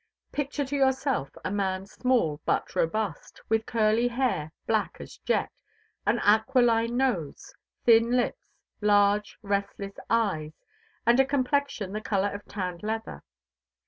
Picture to yourself a man, small but robust, with curly hair, black as jet, an aquiline nose, thin lips, large, restless eyes, and a complexion the color of tanned leather.